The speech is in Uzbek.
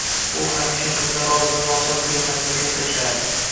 U hamisha qizlari oldida nochor ko‘rinmaslikka tirishardi